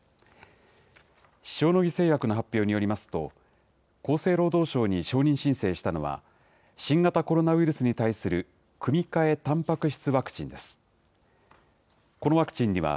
塩野義製薬の発表によりますと、厚生労働省に承認申請したのは、新型コロナウイルスに対する組み換えたんぱく質ワクチンです。